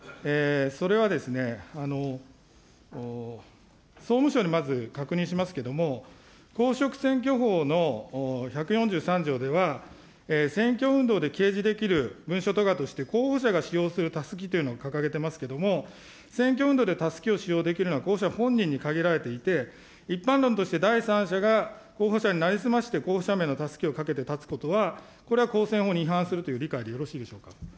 それはですね、総務省にまず確認しますけども、公職選挙法の１４３条では選挙運動で掲示できるとして、候補者が使用するたすきというのを掲げていますけれども、選挙運動でたすきを使用できるのは候補者本人に限られていて、一般論として、第三者が候補者になりすまして、候補者名のたすきをかけて立つことは、これは公選法に違反するという理解でよろしいでしょうか。